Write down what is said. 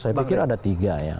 saya pikir ada tiga ya